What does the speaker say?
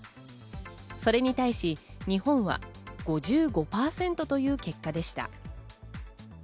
それに対し日本は５５％という結果でした。